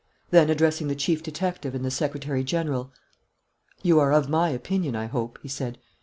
Then, addressing the chief detective and the secretary general: "You are of my opinion, I hope?" he said.